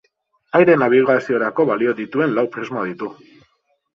Aire nabigaziorako balio dituen lau prisma ditu.